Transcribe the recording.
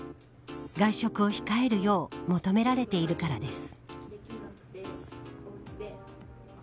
外食を控えるよう求められているからです。